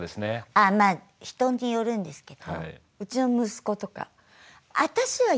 ああまあ人によるんですけどうちの息子とか。